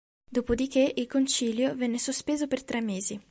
Dopo di che il concilio venne sospeso per tre mesi.